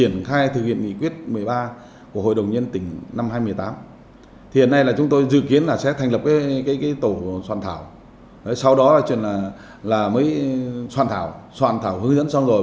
sau đó là chuyện là mới soạn thảo soạn thảo hướng dẫn xong rồi